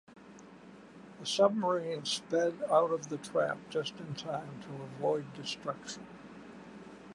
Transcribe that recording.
The submarine sped out of the trap just in time to avoid destruction.